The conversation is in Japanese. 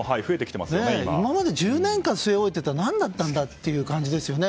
今まで１０年間据え置いていたのは何だったんだという感じですよね。